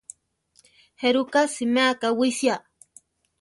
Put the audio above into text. ¿Jéruka siméa kawísia?